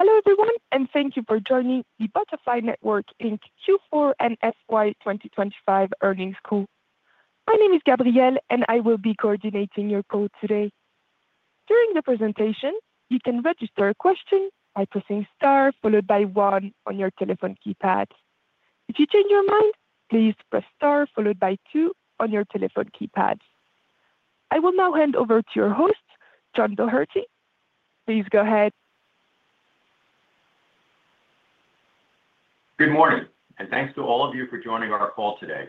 Hello, everyone, thank you for joining the Butterfly Network Inc. Q4 and FY 2025 earnings call. My name is Gabrielle, I will be coordinating your call today. During the presentation, you can register a question by pressing star followed by one on your telephone keypad. If you change your mind, please press star followed by two on your telephone keypad. I will now hand over to your host, John Doherty. Please go ahead. Good morning, thanks to all of you for joining our call today.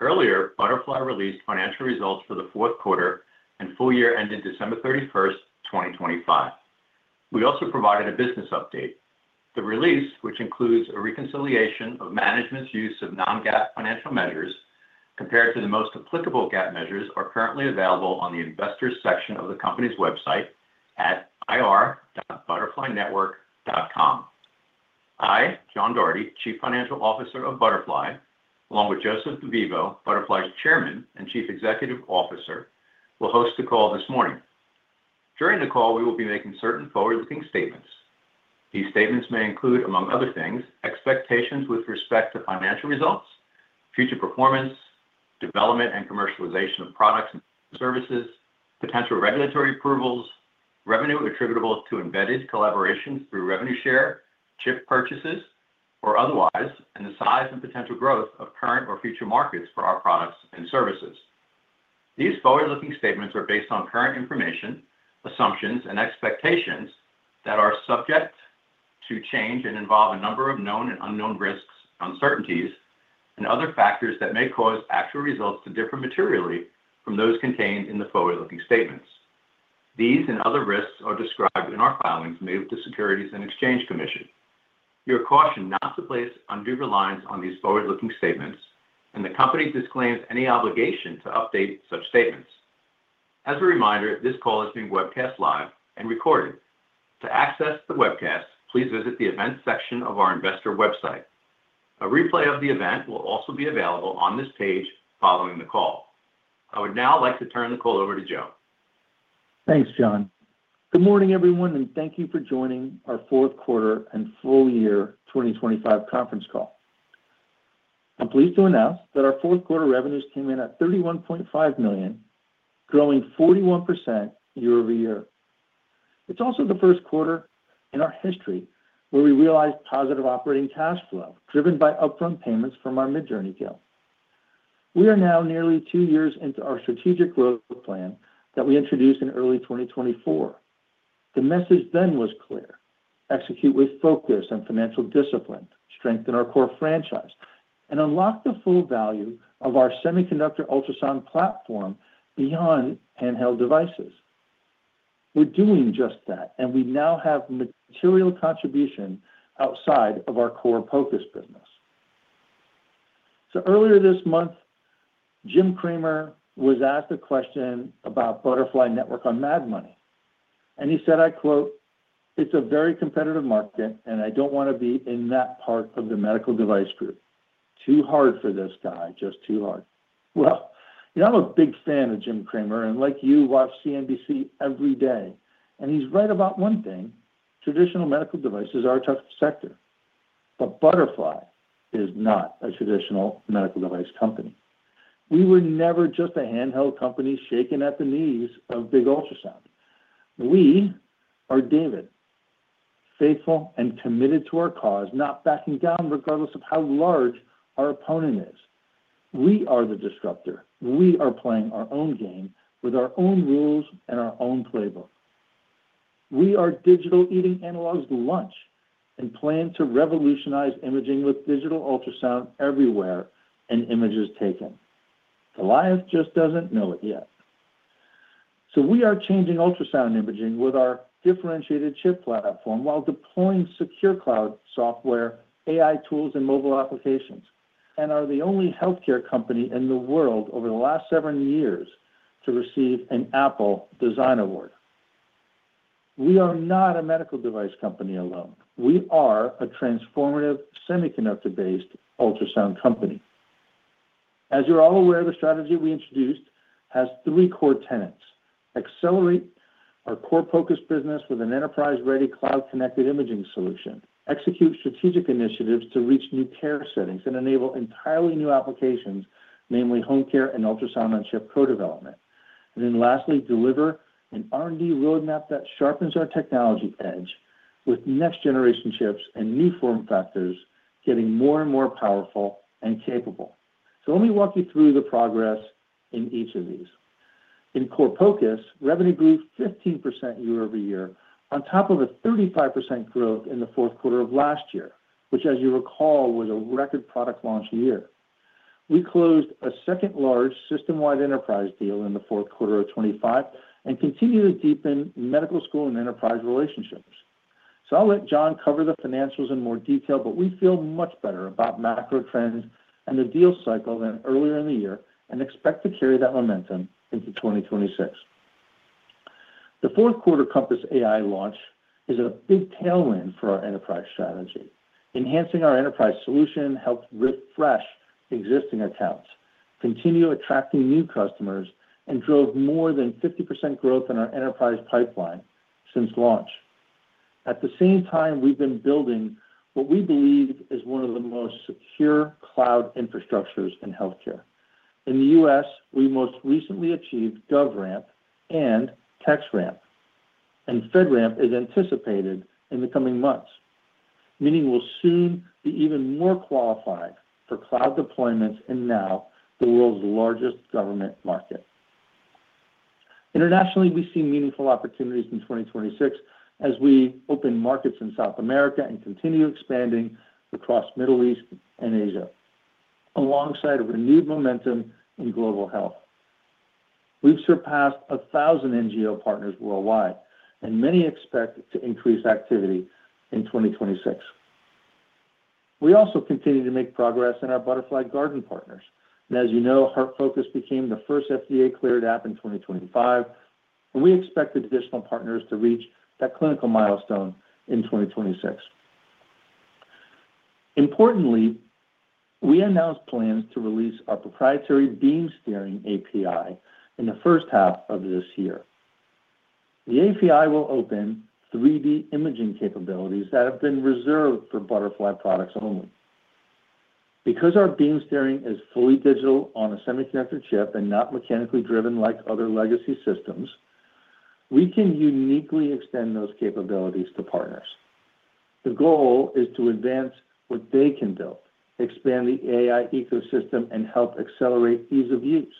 Earlier, Butterfly released financial results for the fourth quarter and full year ending December 31st, 2025. We also provided a business update. The release, which includes a reconciliation of management's use of non-GAAP financial measures compared to the most applicable GAAP measures, are currently available on the Investors section of the company's website at ir.butterflynetwork.com. I, John Doherty, Chief Financial Officer of Butterfly, along with Joseph DeVivo, Butterfly's Chairman and Chief Executive Officer, will host the call this morning. During the call, we will be making certain forward-looking statements. These statements may include, among other things, expectations with respect to financial results, future performance, development and commercialization of products and services, potential regulatory approvals, revenue attributable to embedded collaborations through revenue share, chip purchases or otherwise, and the size and potential growth of current or future markets for our products and services. These forward-looking statements are based on current information, assumptions, and expectations that are subject to change and involve a number of known and unknown risks, uncertainties, and other factors that may cause actual results to differ materially from those contained in the forward-looking statements. These and other risks are described in our filings made with the Securities and Exchange Commission. You are cautioned not to place undue reliance on these forward-looking statements, and the company disclaims any obligation to update such statements. As a reminder, this call is being webcast live and recorded. To access the webcast, please visit the events section of our investor website. A replay of the event will also be available on this page following the call. I would now like to turn the call over to Joe. Thanks, John. Good morning, everyone, and thank you for joining our fourth quarter and full year 2025 conference call. I'm pleased to announce that our fourth quarter revenues came in at $31.5 million, growing 41% year-over-year. It's also the first quarter in our history where we realized positive operating cash flow, driven by upfront payments from our Midjourney deal. We are now nearly two years into our strategic growth plan that we introduced in early 2024. The message was clear: execute with focus and financial discipline, strengthen our core franchise, and unlock the full value of our semiconductor ultrasound platform beyond handheld devices. We're doing just that, and we now have material contribution outside of our core POCUS business. Earlier this month, Jim Cramer was asked a question about Butterfly Network on Mad Money, and he said, I quote, "It's a very competitive market, and I don't want to be in that part of the medical device group. Too hard for this guy, just too hard." You know, I'm a big fan of Jim Cramer, and like you, watch CNBC every day, and he's right about one thing: traditional medical devices are a tough sector, but Butterfly is not a traditional medical device company. We were never just a handheld company shaking at the knees of big ultrasound. We are David, faithful and committed to our cause, not backing down regardless of how large our opponent is. We are the disruptor. We are playing our own game with our own rules and our own playbook. We are digital eating analog's lunch and plan to revolutionize imaging with digital ultrasound everywhere and images taken. Goliath just doesn't know it yet. We are changing ultrasound imaging with our differentiated chip platform while deploying secure cloud software, AI tools, and mobile applications, and are the only healthcare company in the world over the last seven years to receive an Apple Design Award. We are not a medical device company alone. We are a transformative semiconductor-based ultrasound company. As you're all aware, the strategy we introduced has three core tenets: accelerate our core POCUS business with an enterprise-ready, cloud-connected imaging solution, execute strategic initiatives to reach new care settings and enable entirely new applications, namely home care and Ultrasound-on-Chip co-development. Lastly, deliver an R&D roadmap that sharpens our technology edge with next-generation chips and new form factors getting more and more powerful and capable. Let me walk you through the progress in each of these. In core POCUS, revenue grew 15% year-over-year on top of a 35% growth in the fourth quarter of last year, which, as you recall, was a record product launch year. We closed a second large system-wide enterprise deal in the fourth quarter of 2025 and continue to deepen medical school and enterprise relationships. I'll let John cover the financials in more detail, but we feel much better about macro trends and the deal cycle than earlier in the year and expect to carry that momentum into 2026. The fourth quarter Compass AI launch is a big tailwind for our enterprise strategy. Enhancing our enterprise solution helps refresh existing accounts, continue attracting new customers and drove more than 50% growth in our enterprise pipeline since launch. At the same time, we've been building what we believe is one of the most secure cloud infrastructures in healthcare. In the U.S., we most recently achieved GovRAMP and TX-RAMP, and FedRAMP is anticipated in the coming months, meaning we'll soon be even more qualified for cloud deployments in now the world's largest government market. Internationally, we see meaningful opportunities in 2026 as we open markets in South America and continue expanding across Middle East and Asia, alongside a renewed momentum in global health. We've surpassed 1,000 NGO partners worldwide, and many expect to increase activity in 2026. We also continue to make progress in our Butterfly Garden partners, and as you know, HeartFocus became the first FDA-cleared app in 2025, and we expected additional partners to reach that clinical milestone in 2026. We announced plans to release our proprietary beam steering API in the first half of this year. The API will open 3D imaging capabilities that have been reserved for Butterfly products only. Because our beam steering is fully digital on a semiconductor chip and not mechanically driven like other legacy systems, we can uniquely extend those capabilities to partners. The goal is to advance what they can build, expand the AI ecosystem, and help accelerate ease of use.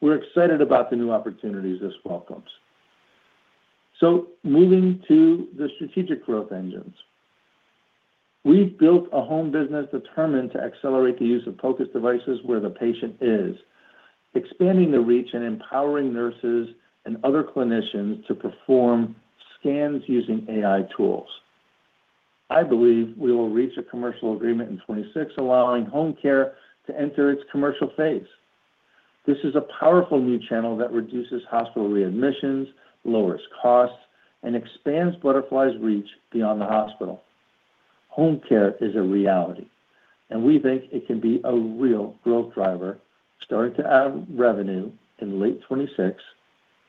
We're excited about the new opportunities this welcomes. Moving to the strategic growth engines. We've built a home business determined to accelerate the use of POCUS devices where the patient is, expanding the reach and empowering nurses and other clinicians to perform scans using AI tools. I believe we will reach a commercial agreement in 2026, allowing home care to enter its commercial phase. This is a powerful new channel that reduces hospital readmissions, lowers costs, and expands Butterfly's reach beyond the hospital. Home care is a reality, we think it can be a real growth driver, starting to add revenue in late 2026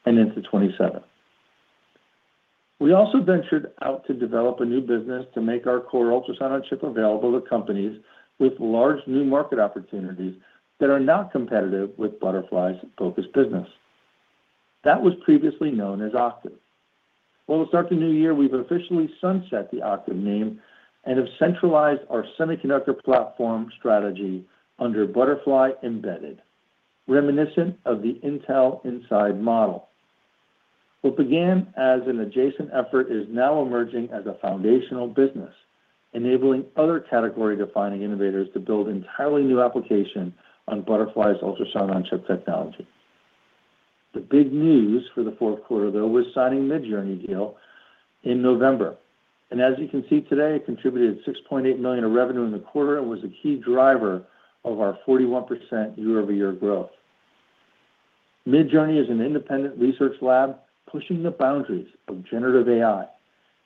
and into 2027. We also ventured out to develop a new business to make our core Ultrasound-on-Chip available to companies with large new market opportunities that are not competitive with Butterfly's focus business. That was previously known as Octave. Well, to start the new year, we've officially sunset the Octave name and have centralized our semiconductor platform strategy under Butterfly Embedded, reminiscent of the Intel Inside model. What began as an adjacent effort is now emerging as a foundational business, enabling other category-defining innovators to build entirely new application on Butterfly's Ultrasound-on-Chip technology. The big news for the fourth quarter, though, was signing Midjourney deal in November, and as you can see today, it contributed $6.8 million of revenue in the quarter and was a key driver of our 41% year-over-year growth. Midjourney is an independent research lab pushing the boundaries of generative AI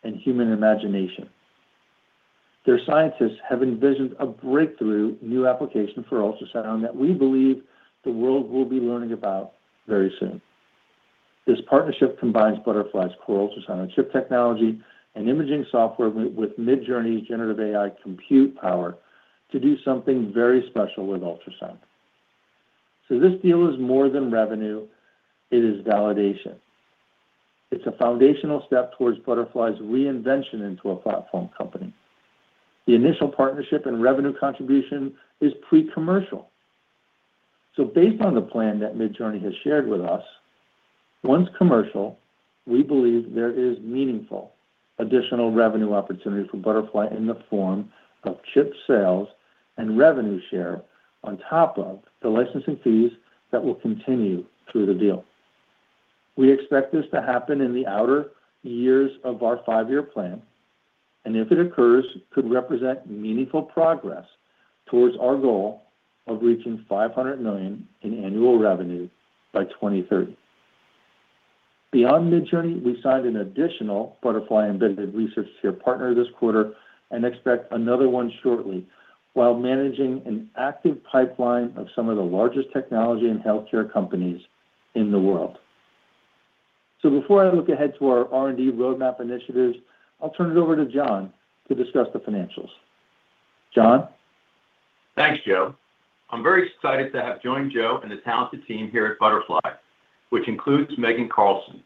and human imagination. Their scientists have envisioned a breakthrough new application for ultrasound that we believe the world will be learning about very soon. This partnership combines Butterfly's core Ultrasound-on-Chip technology and imaging software with Midjourney's generative AI compute power to do something very special with ultrasound. This deal is more than revenue, it is validation. It's a foundational step towards Butterfly's reinvention into a platform company. The initial partnership and revenue contribution is pre-commercial. Based on the plan that Midjourney has shared with us, once commercial, we believe there is meaningful additional revenue opportunity for Butterfly in the form of chip sales and revenue share on top of the licensing fees that will continue through the deal. We expect this to happen in the outer years of our five-year plan, and if it occurs, could represent meaningful progress towards our goal of reaching $500 million in annual revenue by 2030. Beyond Midjourney, we signed an additional Butterfly Embedded research share partner this quarter and expect another one shortly, while managing an active pipeline of some of the largest technology and healthcare companies in the world. Before I look ahead to our R&D roadmap initiatives, I'll turn it over to John to discuss the financials. John? Thanks, Joe. I'm very excited to have joined Joe and the talented team here at Butterfly, which includes Megan Carlson.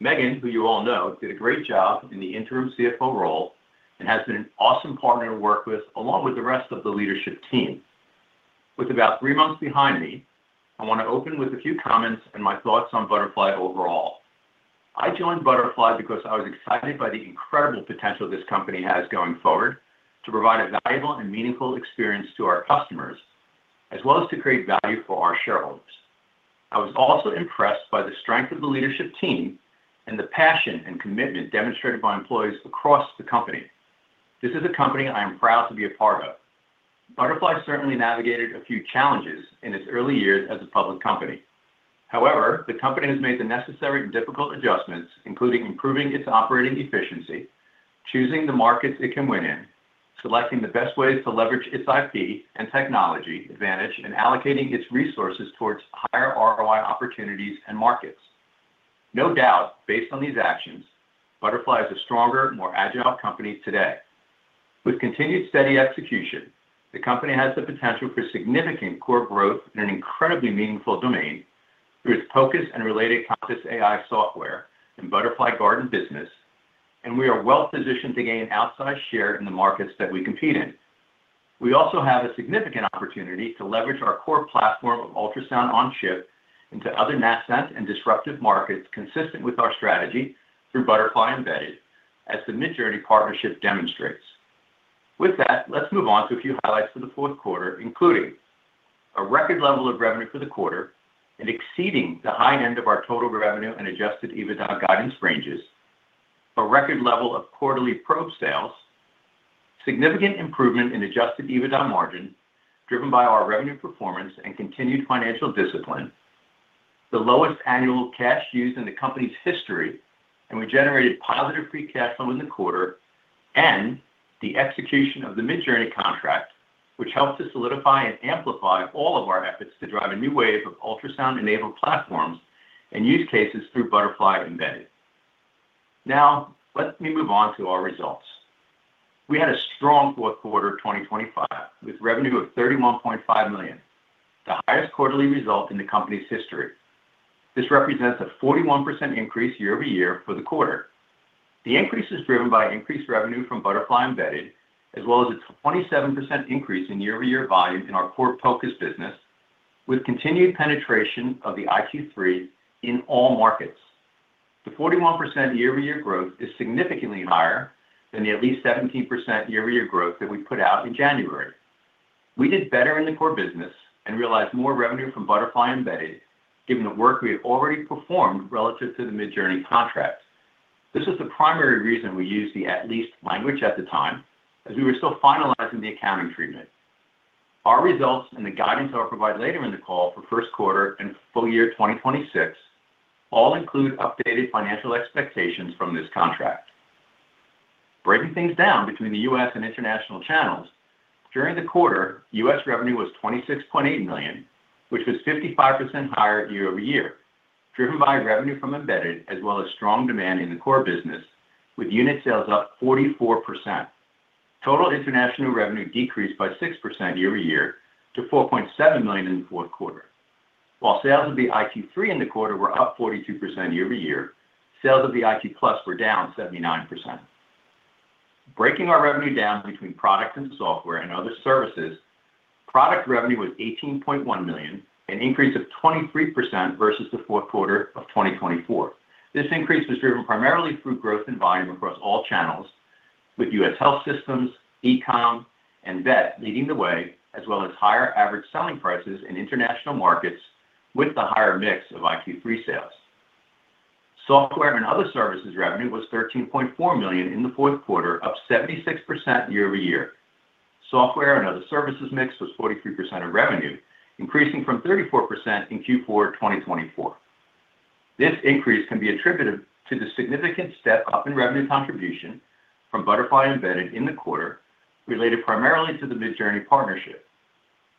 Megan, who you all know, did a great job in the interim CFO role and has been an awesome partner to work with, along with the rest of the leadership team. With about three months behind me, I want to open with a few comments and my thoughts on Butterfly overall. I joined Butterfly because I was excited by the incredible potential this company has going forward to provide a valuable and meaningful experience to our customers, as well as to create value for our shareholders. I was also impressed by the strength of the leadership team and the passion and commitment demonstrated by employees across the company. This is a company I am proud to be a part of. Butterfly certainly navigated a few challenges in its early years as a public company. However, the company has made the necessary difficult adjustments, including improving its operating efficiency, choosing the markets it can win in, selecting the best ways to leverage its IP and technology advantage, and allocating its resources towards higher ROI opportunities and markets. No doubt, based on these actions, Butterfly is a stronger, more agile company today. With continued steady execution, the company has the potential for significant core growth in an incredibly meaningful domain through its focused and related conscious AI software and Butterfly Garden business, and we are well positioned to gain outsized share in the markets that we compete in. We also have a significant opportunity to leverage our core platform of Ultrasound-on-Chip into other nascent and disruptive markets consistent with our strategy through Butterfly Embedded, as the Midjourney partnership demonstrates. With that, let's move on to a few highlights for the fourth quarter, including a record level of revenue for the quarter and exceeding the high end of our total revenue and adjusted EBITDA guidance ranges, a record level of quarterly probe sales, significant improvement in adjusted EBITDA margin, driven by our revenue performance and continued financial discipline, the lowest annual cash use in the company's history, and we generated positive free cash flow in the quarter, and the execution of the Midjourney contract, which helps to solidify and amplify all of our efforts to drive a new wave of ultrasound-enabled platforms and use cases through Butterfly Embedded. Let me move on to our results. We had a strong fourth quarter of 2025, with revenue of $31.5 million, the highest quarterly result in the company's history. This represents a 41% increase year-over-year for the quarter. The increase is driven by increased revenue from Butterfly Embedded, as well as a 27% increase in year-over-year volume in our core focused business, with continued penetration of the iQ3 in all markets. The 41% year-over-year growth is significantly higher than the at least 17% year-over-year growth that we put out in January. We did better in the core business and realized more revenue from Butterfly Embedded, given the work we had already performed relative to the Midjourney contract. This is the primary reason we used the at least language at the time, as we were still finalizing the accounting treatment. Our results and the guidance I'll provide later in the call for first quarter and full year 2026 all include updated financial expectations from this contract. Breaking things down between the U.S. and international channels, during the quarter, U.S. revenue was $26.8 million, which was 55% higher year-over-year, driven by revenue from Embedded, as well as strong demand in the core business, with unit sales up 44%. Total international revenue decreased by 6% year-over-year to $4.7 million in the fourth quarter. While sales of the iQ3 in the quarter were up 42% year-over-year, sales of the iQ+ were down 79%. Breaking our revenue down between product and software and other services, product revenue was $18.1 million, an increase of 23% versus the fourth quarter of 2024. This increase was driven primarily through growth in volume across all channels, with US health systems, e-com, and vet leading the way, as well as higher average selling prices in international markets with the higher mix of iQ3 sales. Software and other services revenue was $13.4 million in the fourth quarter, up 76% year-over-year. Software and other services mix was 43% of revenue, increasing from 34% in Q4 2024. This increase can be attributed to the significant step-up in revenue contribution from Butterfly Embedded in the quarter, related primarily to the Midjourney partnership.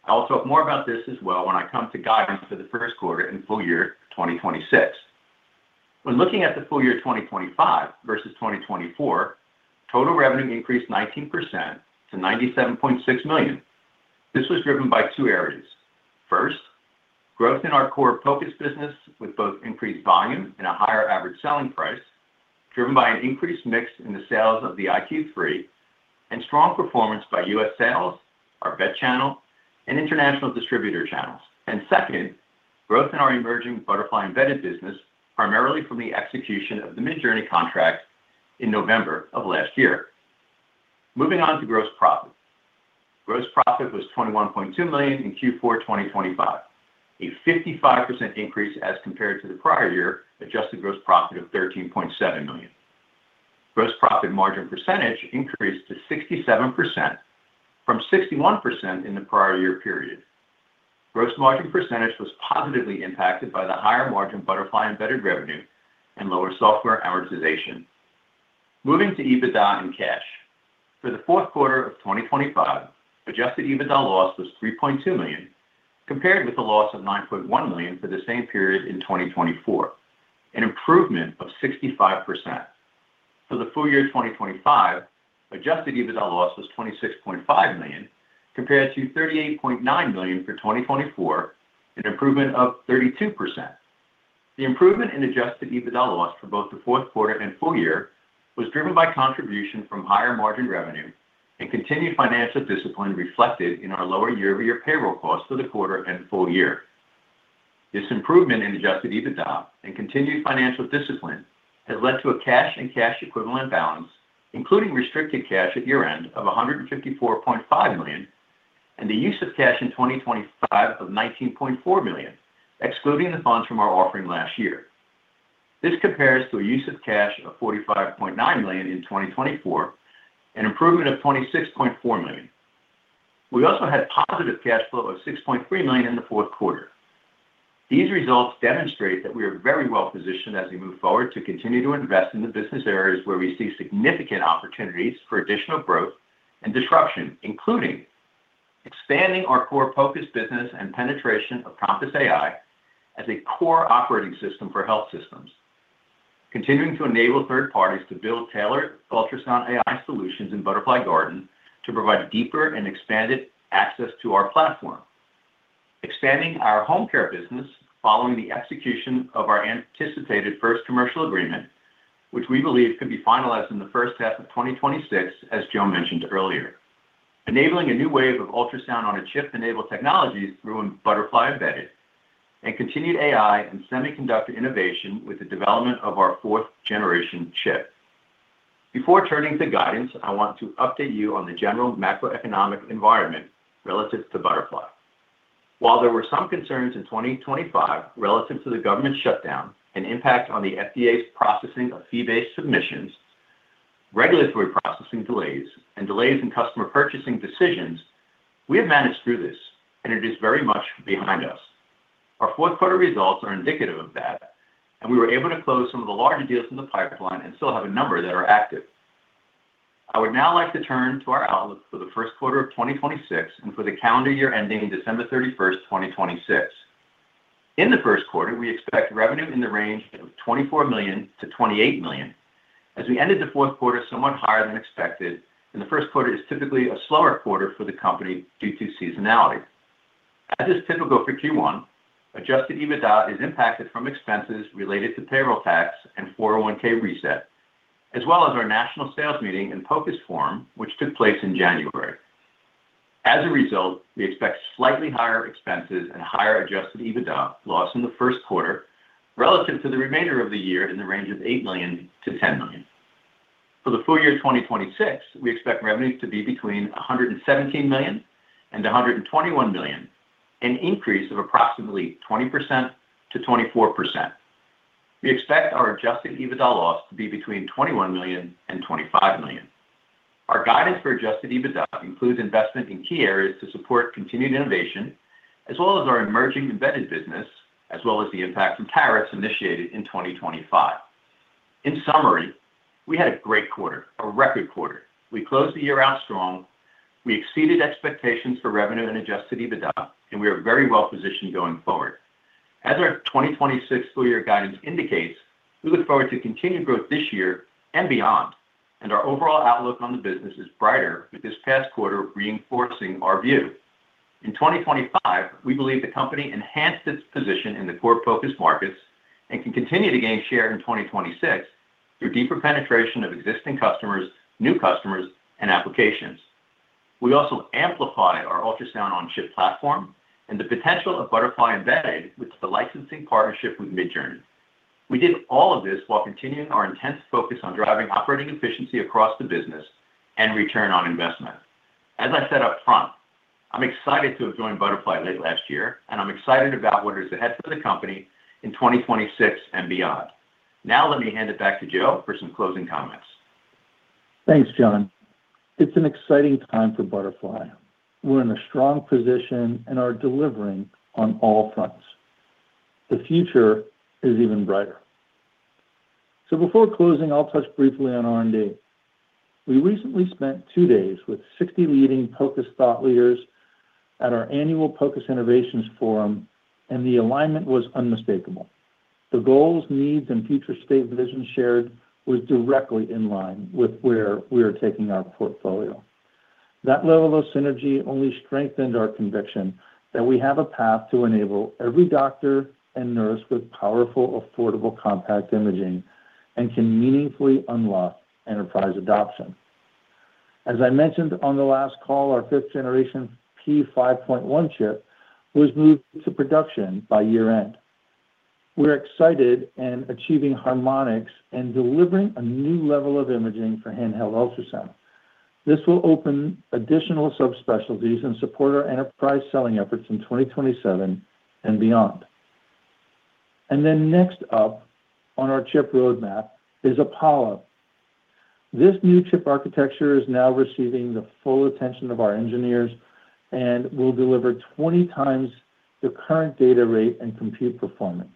I'll talk more about this as well when I come to guidance for the first quarter and full year 2026. When looking at the full year 2025 versus 2024, total revenue increased 19% to $97.6 million. This was driven by two areas. First, growth in our core focused business, with both increased volume and a higher average selling price, driven by an increased mix in the sales of the iQ3 and strong performance by U.S. sales, our vet channel, and international distributor channels. Second, growth in our emerging Butterfly Embedded business, primarily from the execution of the Midjourney contract in November of last year. Moving on to gross profit. Gross profit was $21.2 million in Q4 2025, a 55% increase as compared to the prior year adjusted gross profit of $13.7 million. Gross profit margin percentage increased to 67% from 61% in the prior year period. Gross margin percentage was positively impacted by the higher-margin Butterfly Embedded revenue and lower software amortization. Moving to EBITDA and cash. For the fourth quarter of 2025, adjusted EBITDA loss was $3.2 million, compared with a loss of $9.1 million for the same period in 2024, an improvement of 65%. For the full year 2025, adjusted EBITDA loss was $26.5 million, compared to $38.9 million for 2024, an improvement of 32%. The improvement in adjusted EBITDA loss for both the fourth quarter and full year was driven by contribution from higher margin revenue and continued financial discipline reflected in our lower year-over-year payroll costs for the quarter and full year. This improvement in adjusted EBITDA and continued financial discipline has led to a cash and cash equivalent balance, including restricted cash at year-end of $154.5 million, and the use of cash in 2025 of $19.4 million, excluding the funds from our offering last year. This compares to a use of cash of $45.9 million in 2024, an improvement of $26.4 million. We also had positive cash flow of $6.3 million in the fourth quarter. These results demonstrate that we are very well positioned as we move forward to continue to invest in the business areas where we see significant opportunities for additional growth and disruption, including expanding our core POCUS business and penetration of Compass AI as a core operating system for health systems. Continuing to enable third parties to build tailored ultrasound AI solutions in Butterfly Garden to provide deeper and expanded access to our platform. Expanding our home care business following the execution of our anticipated first commercial agreement, which we believe could be finalized in the first half of 2026, as Joe mentioned earlier. Enabling a new wave of Ultrasound-on-Chip-enabled technologies through Butterfly Embedded, and continued AI and semiconductor innovation with the development of our 4th-generation chip. Before turning to guidance, I want to update you on the general macroeconomic environment relative to Butterfly. While there were some concerns in 2025 relative to the government shutdown and impact on the FDA's processing of fee-based submissions, regulatory processing delays, and delays in customer purchasing decisions, we have managed through this, and it is very much behind us. Our fourth quarter results are indicative of that, and we were able to close some of the larger deals in the pipeline and still have a number that are active. I would now like to turn to our outlook for the first quarter of 2026 and for the calendar year ending December 31st, 2026. In the first quarter, we expect revenue in the range of $24 million-$28 million, as we ended the fourth quarter somewhat higher than expected, and the first quarter is typically a slower quarter for the company due to seasonality. As is typical for Q1, adjusted EBITDA is impacted from expenses related to payroll tax and 401(k) reset, as well as our national sales meeting and POCUS Innovators Forum, which took place in January. As a result, we expect slightly higher expenses and higher adjusted EBITDA loss in the first quarter relative to the remainder of the year in the range of $8 million-$10 million. For the full year 2026, we expect revenues to be between $117 million and $121 million, an increase of approximately 20% to 24%. We expect our adjusted EBITDA loss to be between $21 million and $25 million. Our guidance for adjusted EBITDA includes investment in key areas to support continued innovation, as well as our emerging embedded business, as well as the impact from tariffs initiated in 2025. In summary, we had a great quarter, a record quarter. We closed the year out strong, we exceeded expectations for revenue and adjusted EBITDA, and we are very well positioned going forward. As our 2026 full year guidance indicates, we look forward to continued growth this year and beyond, and our overall outlook on the business is brighter with this past quarter reinforcing our view. In 2025, we believe the company enhanced its position in the core POCUS markets and can continue to gain share in 2026 through deeper penetration of existing customers, new customers, and applications. We also amplify our Ultrasound-on-Chip platform and the potential of Butterfly Embedded with the licensing partnership with Midjourney. We did all of this while continuing our intense focus on driving operating efficiency across the business and ROI. As I said up front, I'm excited to have joined Butterfly late last year, and I'm excited about what is ahead for the company in 2026 and beyond. Now, let me hand it back to Joe for some closing comments. Thanks, John. It's an exciting time for Butterfly. We're in a strong position and are delivering on all fronts. The future is even brighter. Before closing, I'll touch briefly on R&D. We recently spent two days with 60 leading POCUS thought leaders at our annual POCUS Innovators Forum, and the alignment was unmistakable. The goals, needs, and future state vision shared was directly in line with where we are taking our portfolio. That level of synergy only strengthened our conviction that we have a path to enable every doctor and nurse with powerful, affordable, compact imaging and can meaningfully unlock enterprise adoption. As I mentioned on the last call, our fifth generation P5.1 chip was moved to production by year-end. We're excited in achieving harmonics and delivering a new level of imaging for handheld ultrasound. This will open additional subspecialties and support our enterprise selling efforts in 2027 and beyond. Next up on our chip roadmap is Apollo. This new chip architecture is now receiving the full attention of our engineers and will deliver 20 times the current data rate and compute performance,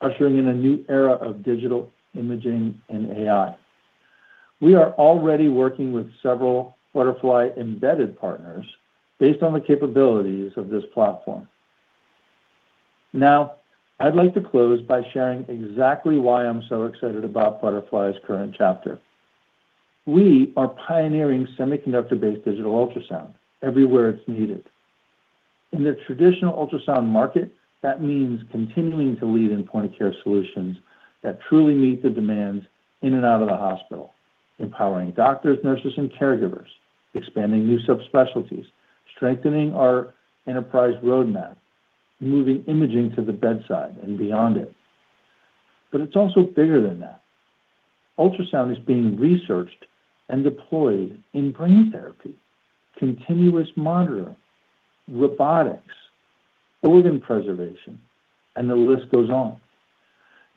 ushering in a new era of digital imaging and AI. We are already working with several Butterfly Embedded partners based on the capabilities of this platform. I'd like to close by sharing exactly why I'm so excited about Butterfly's current chapter. We are pioneering semiconductor-based digital ultrasound everywhere it's needed. In the traditional ultrasound market, that means continuing to lead in point-of-care solutions that truly meet the demands in and out of the hospital, empowering doctors, nurses, and caregivers, expanding new subspecialties, strengthening our enterprise roadmap, moving imaging to the bedside and beyond it. It's also bigger than that. Ultrasound is being researched and deployed in brain therapy, continuous monitoring, robotics, organ preservation, and the list goes on.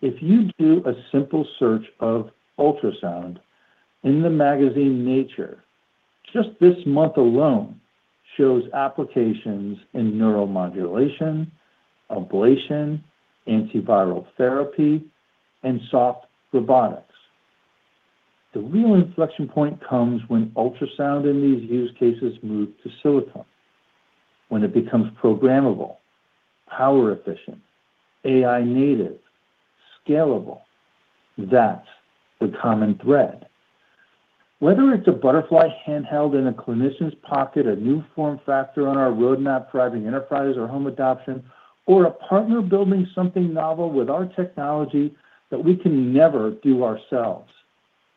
If you do a simple search of ultrasound in the magazine Nature, just this month alone shows applications in neuromodulation, ablation, antiviral therapy, and soft robotics. The real inflection point comes when ultrasound in these use cases move to silicon, when it becomes programmable, power efficient, AI native, scalable. That's the common thread. Whether it's a Butterfly handheld in a clinician's pocket, a new form factor on our roadmap driving enterprise or home adoption, or a partner building something novel with our technology that we can never do ourselves,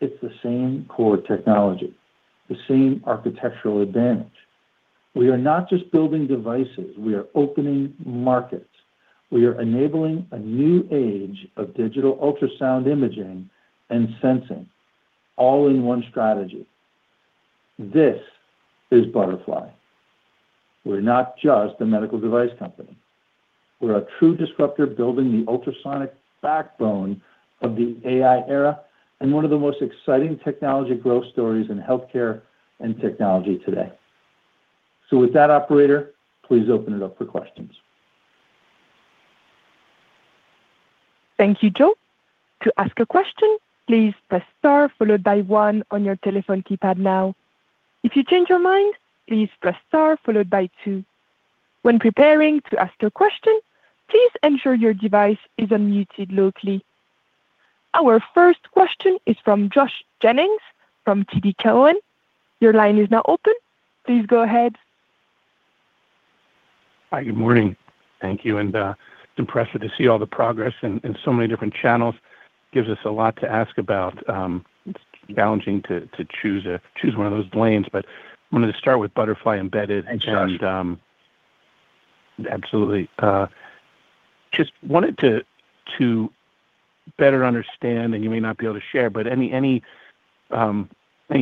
it's the same core technology, the same architectural advantage. We are not just building devices, we are opening markets. We are enabling a new age of digital ultrasound imaging and sensing, all in one strategy. This is Butterfly. We're not just a medical device company. We're a true disruptor building the ultrasonic backbone of the AI era and one of the most exciting technology growth stories in healthcare and technology today. With that, operator, please open it up for questions. Thank you, Joe. To ask a question, please press star followed by one on your telephone keypad now. If you change your mind, please press star followed by two. When preparing to ask your question, please ensure your device is unmuted locally. Our first question is from Josh Jennings from TD Cowen. Your line is now open. Please go ahead. Hi, good morning. Thank you. Impressive to see all the progress in so many different channels. Gives us a lot to ask about, challenging to choose one of those lanes, wanted to start with Butterfly Embedded. Thanks, Josh. Absolutely, just wanted to better understand, and you may not be able to share, but any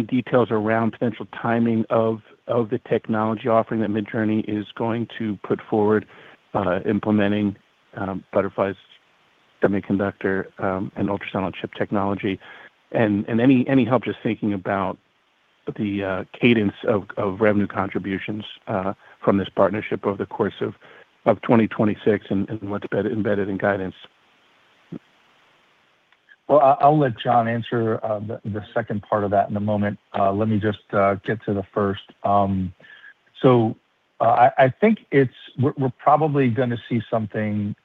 details around potential timing of the technology offering that Midjourney is going to put forward, implementing Butterfly's semiconductor and ultrasound chip technology? Any help just thinking about the cadence of revenue contributions from this partnership over the course of 2026 and what's embedded in guidance? Well, I'll let John answer the second part of that in a moment. Let me just get to the first. I think we're probably gonna see something,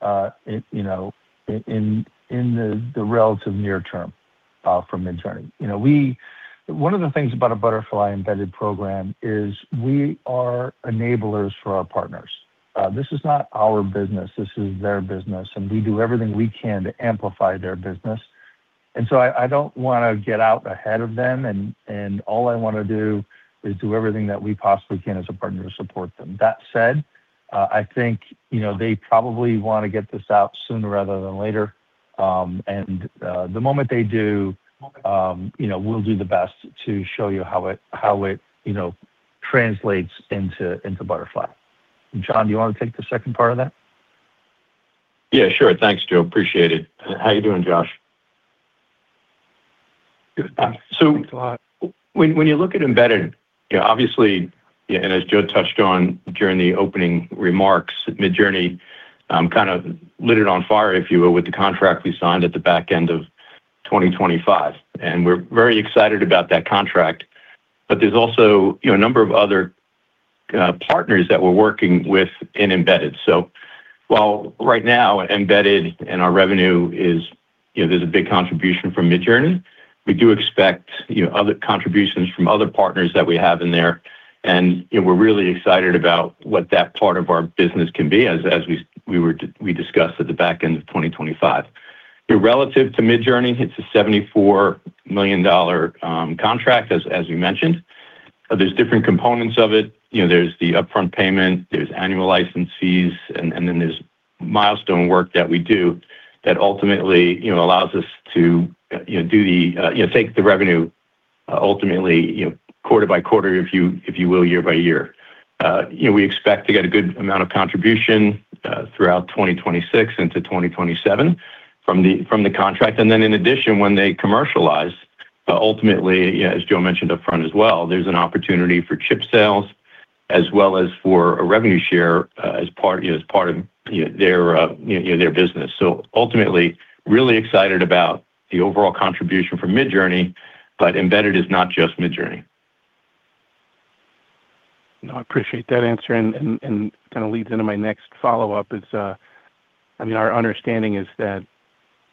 you know, in the relative near term from Midjourney. You know, one of the things about a Butterfly Embedded program is we are enablers for our partners. This is not our business, this is their business, and we do everything we can to amplify their business. I don't wanna get out ahead of them, and all I wanna do is do everything that we possibly can as a partner to support them. That said, I think, you know, they probably wanna get this out sooner rather than later. The moment they do, you know, we'll do the best to show you how it, you know, translates into Butterfly. John, do you want to take the second part of that? Yeah, sure. Thanks, Joe. Appreciate it. How you doing, Josh? Good. So- Thanks a lot. When you look at Embedded, you know, obviously, yeah, as Joe touched on during the opening remarks, Midjourney kind of lit it on fire, if you will, with the contract we signed at the back end of 2025. We're very excited about that contract. There's also, you know, a number of other partners that we're working with in Embedded. While right now, Embedded and our revenue is, you know, there's a big contribution from Midjourney, we do expect, you know, other contributions from other partners that we have in there, and, you know, we're really excited about what that part of our business can be, as we discussed at the back end of 2025. You know, relative to Midjourney, it's a $74 million contract, as we mentioned. There's different components of it. You know, there's the upfront payment, there's annual license fees, and then there's milestone work that we do that ultimately, you know, allows us to, you know, do the, you know, take the revenue, ultimately, you know, quarter by quarter, if you, if you will, year by year. You know, we expect to get a good amount of contribution throughout 2026 into 2027 from the contract. In addition, when they commercialize, ultimately, you know, as Joe mentioned upfront as well, there's an opportunity for chip sales as well as for a revenue share as part of their business. Ultimately, really excited about the overall contribution from Midjourney, but Embedded is not just Midjourney. No, I appreciate that answer, and kind of leads into my next follow-up is, I mean, our understanding is that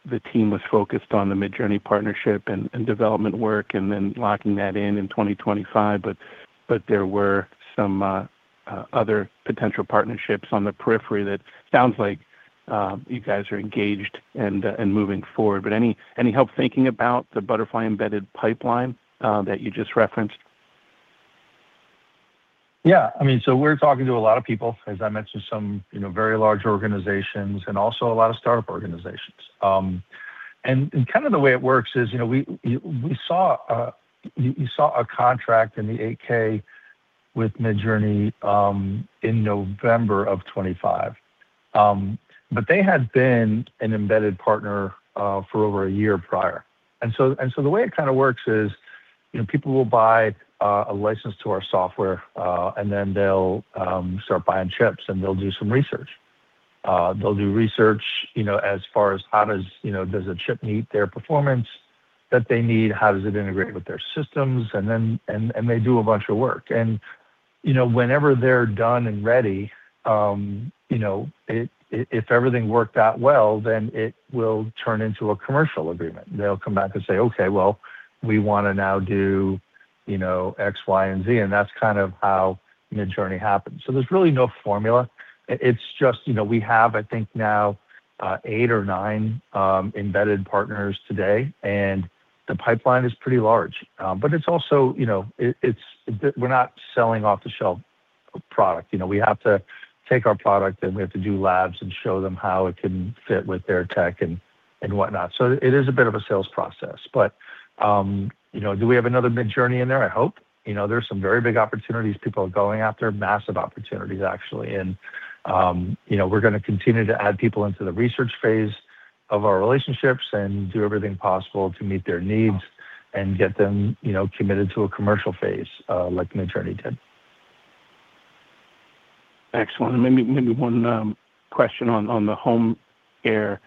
the team was focused on the Midjourney partnership and development work and then locking that in in 2025, but there were some other potential partnerships on the periphery that sounds like you guys are engaged and moving forward. Any help thinking about the Butterfly Embedded pipeline that you just referenced? Yeah. I mean, we're talking to a lot of people. As I mentioned, some, you know, very large organizations and also a lot of startup organizations. Kind of the way it works is, you know, we saw a, you saw a contract in the 8-K with Midjourney, in November of 2025. They had been an embedded partner for over a year prior. So the way it kind of works is, you know, people will buy a license to our software, and then they'll start buying chips, and they'll do some research. They'll do research, you know, as far as how does, you know, does a chip meet their performance that they need? How does it integrate with their systems? Then, and they do a bunch of work. You know, whenever they're done and ready, you know, if everything worked out well, then it will turn into a commercial agreement. They'll come back and say: "Okay, well, we want to now do, you know, X, Y, and Z." That's kind of how Midjourney happened. There's really no formula. It's just, you know, we have, I think, now, eight or nine embedded partners today, and the pipeline is pretty large. It's also, you know, we're not selling off-the-shelf product. You know, we have to take our product, and we have to do labs and show them how it can fit with their tech and whatnot. It is a bit of a sales process, but, you know, do we have another Midjourney in there? I hope. You know, there are some very big opportunities people are going after, massive opportunities, actually. You know, we're gonna continue to add people into the research phase of our relationships and do everything possible to meet their needs and get them, you know, committed to a commercial phase, like Midjourney did. Excellent. Maybe one question on the home care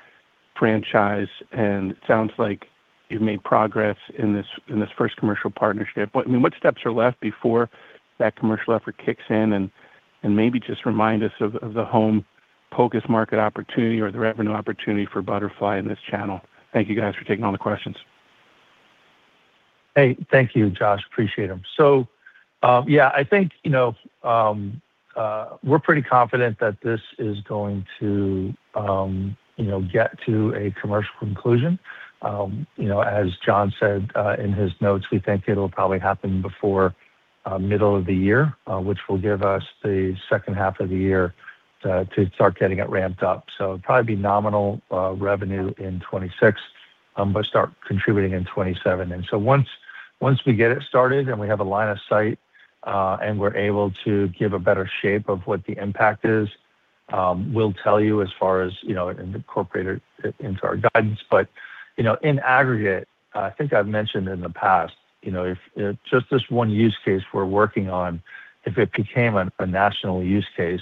franchise, and it sounds like you've made progress in this first commercial partnership. I mean, what steps are left before that commercial effort kicks in? Maybe just remind us of the home POCUS market opportunity or the revenue opportunity for Butterfly in this channel. Thank you, guys, for taking all the questions. Hey, thank you, Josh. Appreciate them. Yeah, I think, you know, we're pretty confident that this is going to, you know, get to a commercial conclusion. You know, as John said, in his notes, we think it'll probably happen before middle of the year, which will give us the second half of the year, to start getting it ramped up. It'd probably be nominal revenue in 2026, but start contributing in 2027. Once we get it started, and we have a line of sight, and we're able to give a better shape of what the impact is, we'll tell you as far as, you know, and incorporate it into our guidance. You know, in aggregate, I think I've mentioned in the past, you know, if just this one use case we're working on, if it became a national use case,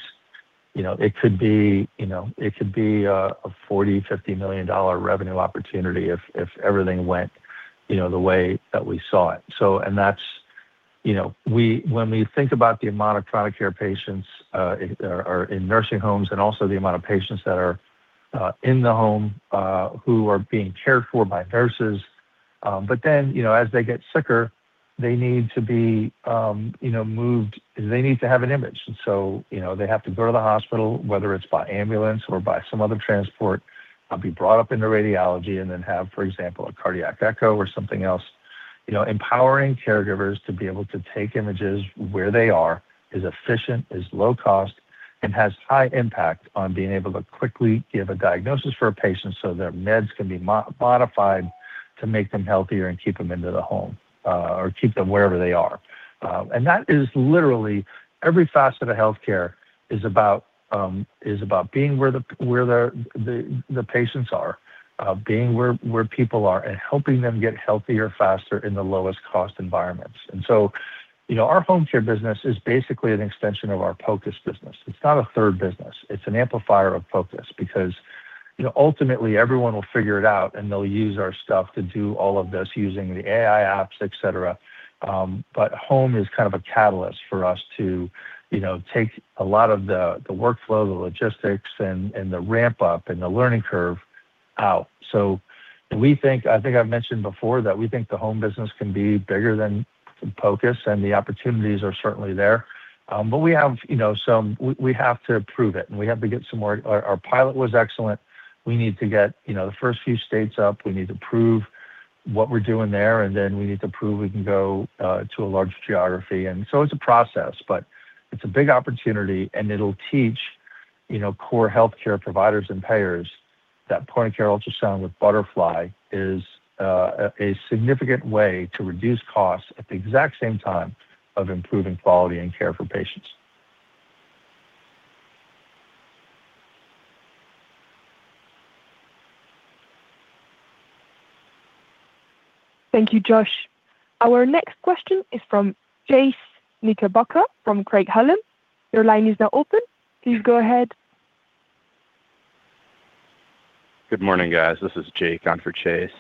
it could be a $40 million-$50 million revenue opportunity if everything went, you know, the way that we saw it. That's. You know, when we think about the amount of chronic care patients are in nursing homes and also the amount of patients that are in the home, who are being cared for by nurses, you know, as they get sicker, they need to be, you know, moved. They need to have an image. You know, they have to go to the hospital, whether it's by ambulance or by some other transport, be brought up into radiology and then have, for example, a cardiac echo or something else. You know, empowering caregivers to be able to take images where they are is efficient, is low cost, and has high impact on being able to quickly give a diagnosis for a patient so their meds can be modified to make them healthier and keep them into the home, or keep them wherever they are. That is literally every facet of healthcare is about being where the patients are, being where people are, and helping them get healthier faster in the lowest cost environments. You know, our home care business is basically an extension of our POCUS business. It's not a third business; it's an amplifier of POCUS. You know, ultimately everyone will figure it out, and they'll use our stuff to do all of this using the AI apps, et cetera. Home is kind of a catalyst for us to, you know, take a lot of the workflow, the logistics, and the ramp-up and the learning curve out. I've mentioned before that we think the home business can be bigger than POCUS, and the opportunities are certainly there. We have, you know, we have to prove it, and we have to get some more. Our pilot was excellent. We need to get, you know, the first few states up. We need to prove what we're doing there. We need to prove we can go to a larger geography. It's a process, but it's a big opportunity, and it'll teach, you know, core healthcare providers and payers that point-of-care ultrasound with Butterfly is a significant way to reduce costs at the exact same time of improving quality and care for patients. Thank you, Josh. Our next question is from Chase Knickerbocker from Craig-Hallum. Your line is now open. Please go ahead. Good morning, guys. This is Jake on for Chase.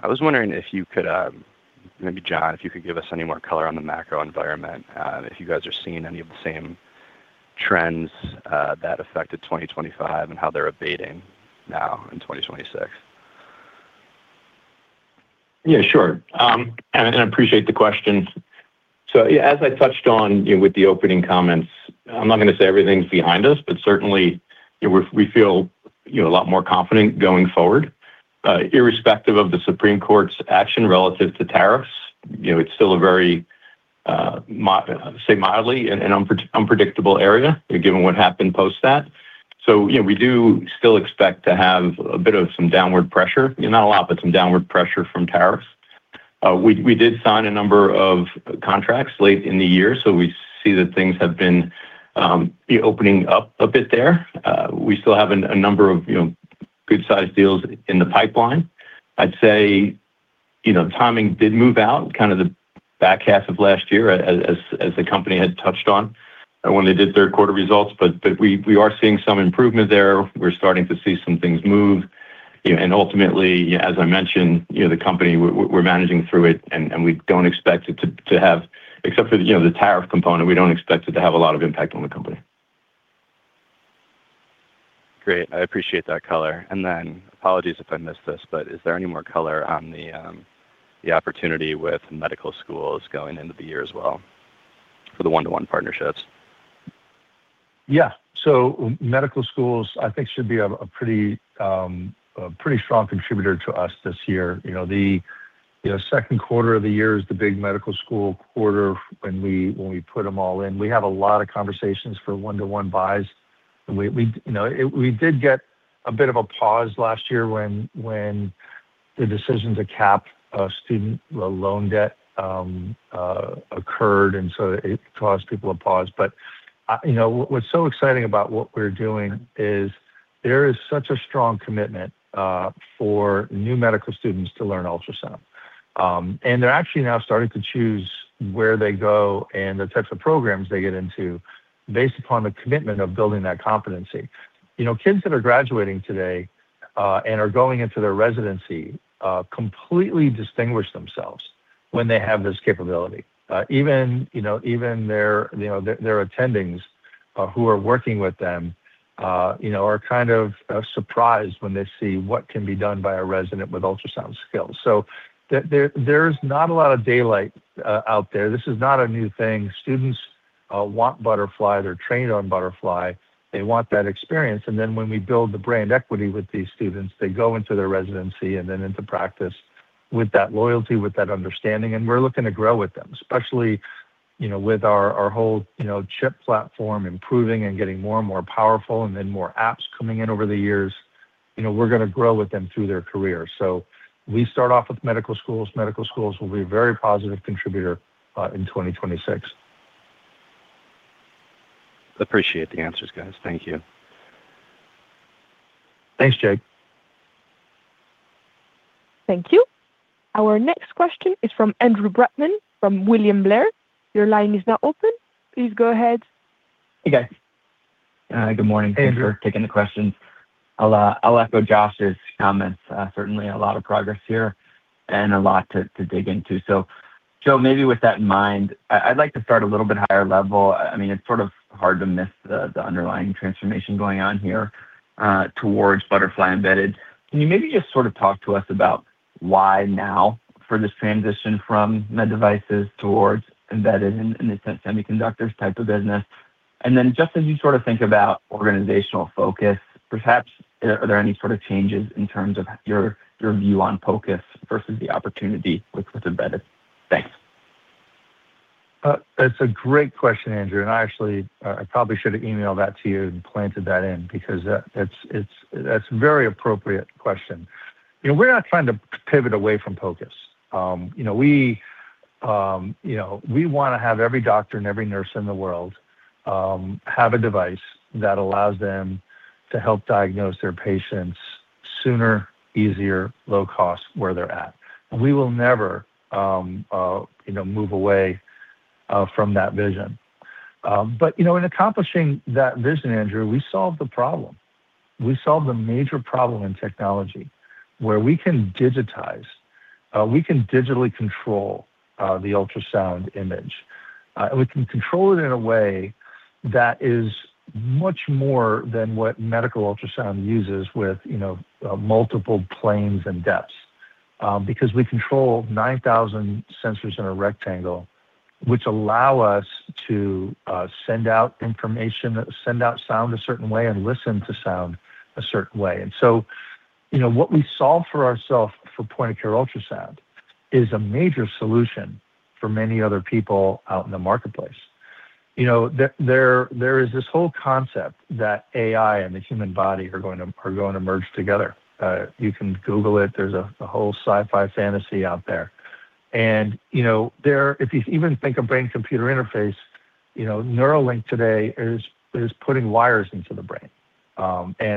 I was wondering if you could, maybe, John, if you could give us any more color on the macro environment, if you guys are seeing any of the same trends, that affected 2025 and how they're abating now in 2026? Sure, and I appreciate the question. As I touched on, you know, with the opening comments, I'm not gonna say everything's behind us, but certainly, you know, we feel, you know, a lot more confident going forward. Irrespective of the Supreme Court's action relative to tariffs, you know, it's still a very. mild, say mildly, and an unpredictable area, given what happened post that. You know, we do still expect to have a bit of some downward pressure. Not a lot, but some downward pressure from tariffs. We did sign a number of contracts late in the year, so we see that things have been opening up a bit there. We still have a number of, you know, good-sized deals in the pipeline. I'd say, you know, the timing did move out kind of the back half of last year as the company had touched on when they did third quarter results, but we are seeing some improvement there. We're starting to see some things move. Ultimately, as I mentioned, you know, the company, we're managing through it, and we don't expect it to have except for the, you know, the tariff component, we don't expect it to have a lot of impact on the company. Great. I appreciate that color. Apologies if I missed this, but is there any more color on the opportunity with medical schools going into the year as well for the one-to-one partnerships? Yeah. Medical schools, I think, should be a pretty, a pretty strong contributor to us this year. You know, the, you know, second quarter of the year is the big medical school quarter when we, when we put them all in. We have a lot of conversations for one-to-one buys, and you know, we did get a bit of a pause last year when the decision to cap student loan debt occurred, and so it caused people to pause. You know, what's so exciting about what we're doing is there is such a strong commitment for new medical students to learn ultrasound. They're actually now starting to choose where they go and the types of programs they get into based upon the commitment of building that competency. You know, kids that are graduating today, and are going into their residency, completely distinguish themselves when they have this capability. Even, you know, even their, you know, their attendings, who are working with them, you know, are kind of, surprised when they see what can be done by a resident with ultrasound skills. There's not a lot of daylight out there. This is not a new thing. Students want Butterfly. They're trained on Butterfly. They want that experience, and then when we build the brand equity with these students, they go into their residency and then into practice with that loyalty, with that understanding, and we're looking to grow with them, especially, you know, with our whole, you know, chip platform improving and getting more and more powerful, and then more apps coming in over the years. You know, we're gonna grow with them through their career. We start off with medical schools. Medical schools will be a very positive contributor in 2026. Appreciate the answers, guys. Thank you. Thanks, Jake. Thank you. Our next question is from Andrew Brackmann, from William Blair. Your line is now open. Please go ahead. Hey, guys. Good morning. Andrew. Thanks for taking the questions. I'll echo Josh's comments. Certainly a lot of progress here and a lot to dig into. Joe, maybe with that in mind, I'd like to start a little bit higher level. I mean, it's sort of hard to miss the underlying transformation going on here, towards Butterfly Embedded. Can you maybe just sort of talk to us about why now for this transition from med devices towards embedded and the semiconductors type of business? Then just as you sort of think about organizational focus, perhaps, are there any sort of changes in terms of your view on focus versus the opportunity with Embedded? Thanks. That's a great question, Andrew, and I actually, I probably should have emailed that to you and planted that in, because it's, that's a very appropriate question. You know, we're not trying to pivot away from focus. You know, we, you know, we wanna have every doctor and every nurse in the world, have a device that allows them to help diagnose their patients sooner, easier, low cost, where they're at. We will never, you know, move away from that vision. You know, in accomplishing that vision, Andrew, we solved the problem. We solved a major problem in technology where we can digitize, we can digitally control the ultrasound image. We can control it in a way that is much more than what medical ultrasound uses with, you know, multiple planes and depths. Because we control 9,000 sensors in a rectangle, which allow us to send out information, send out sound a certain way, and listen to sound a certain way. You know, what we solve for ourself for point-of-care ultrasound is a major solution for many other people out in the marketplace. You know, there is this whole concept that AI and the human body are going to merge together. You can Google it. There's a whole sci-fi fantasy out there. You know, there. If you even think of brain-computer interface, you know, Neuralink today is putting wires into the brain.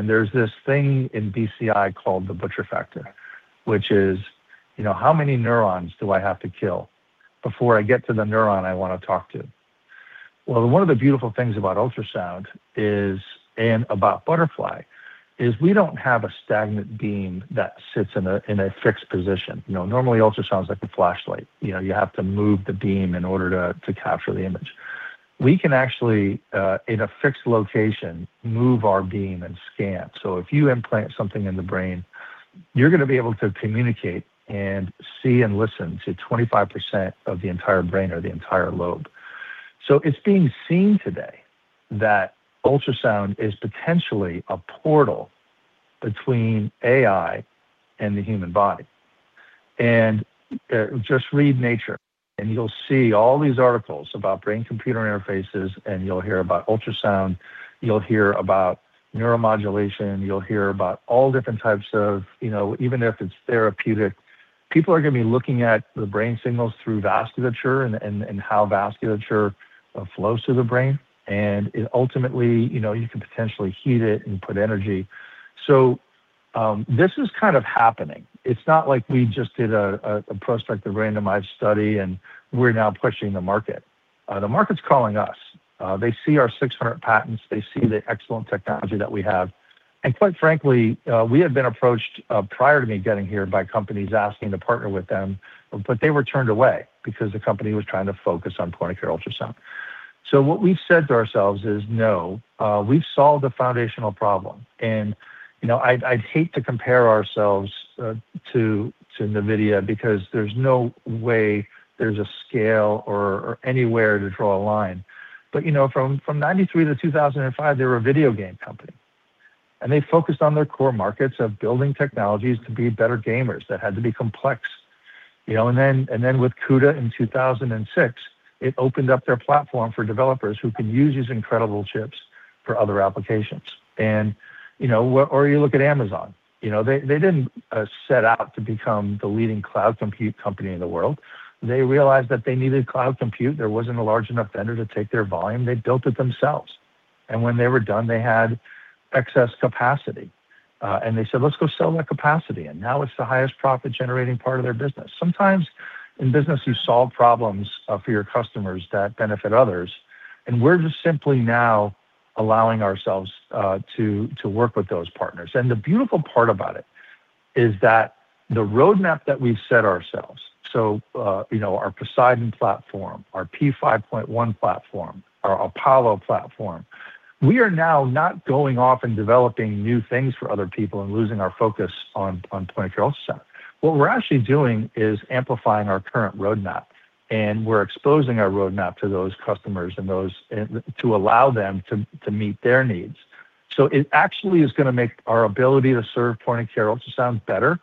There's this thing in BCI called the butcher factor, which is, you know, how many neurons do I have to kill before I get to the neuron I want to talk to? Well, one of the beautiful things about ultrasound is, and about Butterfly, is we don't have a stagnant beam that sits in a fixed position. You know, normally, ultrasound's like a flashlight. You know, you have to move the beam in order to capture the image. We can actually, in a fixed location, move our beam and scan. If you implant something in the brain, you're gonna be able to communicate and see and listen to 25% of the entire brain or the entire lobe. It's being seen today that ultrasound is potentially a portal between AI and the human body. Just read Nature and you'll see all these articles about brain-computer interfaces, and you'll hear about ultrasound, you'll hear about neuromodulation, you'll hear about all different types of, you know, even if it's therapeutic, people are going to be looking at the brain signals through vasculature and how vasculature flows through the brain. It ultimately, you know, you can potentially heat it and put energy. This is kind of happening. It's not like we just did a prospect, a randomized study, and we're now pushing the market. The market's calling us. They see our 600 patents, they see the excellent technology that we have, and quite frankly, we have been approached prior to me getting here by companies asking to partner with them, but they were turned away because the company was trying to focus on point-of-care ultrasound. What we've said to ourselves is, "No, we've solved the foundational problem." you know, I'd hate to compare ourselves to NVIDIA because there's no way there's a scale or anywhere to draw a line. you know, from 93 to 2005, they were a video game company, and they focused on their core markets of building technologies to be better gamers, that had to be complex. You know, and then with CUDA in 2006, it opened up their platform for developers who could use these incredible chips for other applications. You know, or you look at Amazon, you know, they didn't set out to become the leading cloud compute company in the world. They realized that they needed cloud compute. There wasn't a large enough vendor to take their volume. They built it themselves. When they were done, they had excess capacity, and they said, "Let's go sell that capacity." Now it's the highest profit-generating part of their business. Sometimes in business, you solve problems for your customers that benefit others, and we're just simply now allowing ourselves to work with those partners. The beautiful part about it is that the roadmap that we've set ourselves, so, you know, our Poseidon platform, our P5.1 platform, our Apollo platform, we are now not going off and developing new things for other people and losing our focus on Point-of-Care Ultrasound. What we're actually doing is amplifying our current roadmap, and we're exposing our roadmap to those customers and those and to allow them to meet their needs. It actually is going to make our ability to serve point-of-care ultrasound better,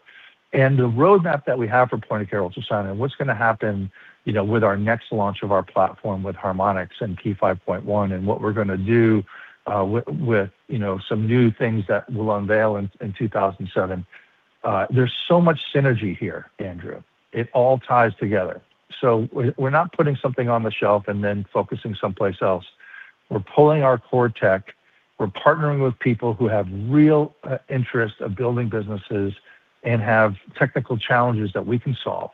and the roadmap that we have for point-of-care ultrasound and what's going to happen, you know, with our next launch of our platform, with Harmonics and P5.1, and what we're going to do with, you know, some new things that we'll unveil in 2027, there's so much synergy here, Andrew. It all ties together. We're not putting something on the shelf and then focusing someplace else. We're pulling our core tech, we're partnering with people who have real interest of building businesses and have technical challenges that we can solve.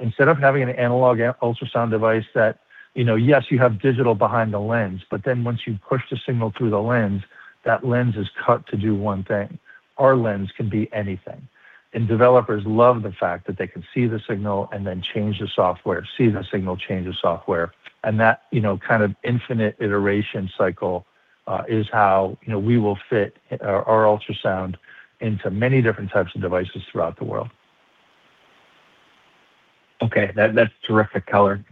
Instead of having an analog ultrasound device that, you know, yes, you have digital behind the lens, but then once you push the signal through the lens, that lens is cut to do one thing. Our lens can be anything, and developers love the fact that they can see the signal and then change the software, see the signal, change the software. That, you know, kind of infinite iteration cycle is how, you know, we will fit our ultrasound into many different types of devices throughout the world. Okay. That's terrific color.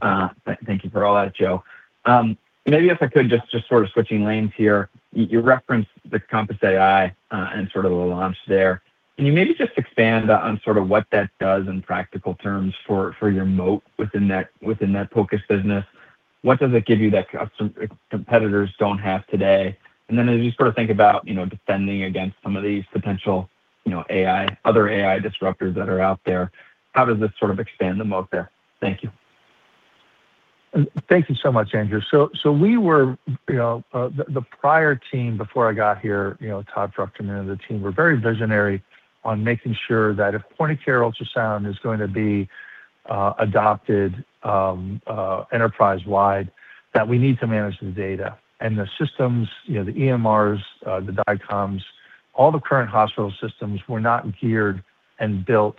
Thank you for all that, Joe. Maybe if I could just sort of switching lanes here. You referenced the Compass AI, and sort of the launch there. Can you maybe just expand on sort of what that does in practical terms for your moat within that focused business? What does it give you that competitors don't have today? As you sort of think about, you know, defending against some of these potential, you know, AI disruptors that are out there, how does this sort of expand the moat there? Thank you. Thank you so much, Andrew Brackmann. We were, you know, the prior team before I got here, you know, Todd Fruchterman and the team were very visionary on making sure that if Point-of-Care Ultrasound is going to be adopted enterprise-wide, that we need to manage the data. The systems, you know, the EMRs, the DICOMs, all the current hospital systems were not geared and built